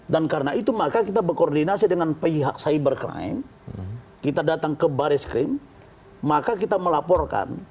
dan karena itu maka kita berkoordinasi dengan pihak cybercrime kita datang ke baris krim maka kita melaporkan